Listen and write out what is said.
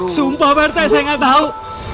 sumpah pak arte saya gak tau